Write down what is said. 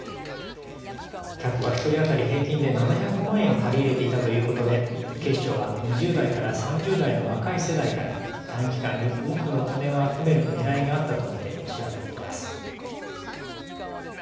客は１人当たり平均で７００万円を借り入れていたということで警視庁は２０代から３０代の若い世代から短期間に多くの金を集めるねらいがあったと見て調べています。